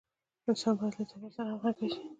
انسان باید له طبیعت سره همغږي شي.